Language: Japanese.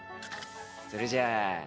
それじゃ。